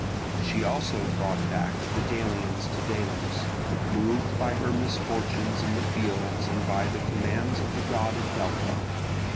She also brought back the Delians to Delos, moved by her misfortunes in the field and by the commands of the god at Delphi.